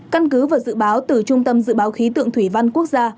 căn cứ và dự báo từ trung tâm dự báo khí tượng thủy văn quốc gia